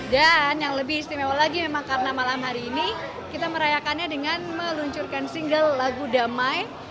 dan yang lebih istimewa lagi memang karena malam hari ini kita merayakannya dengan meluncurkan single lagu damai